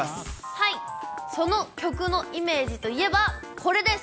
はい、その曲のイメージといえばこれです。